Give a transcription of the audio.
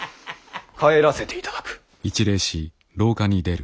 帰らせていただく。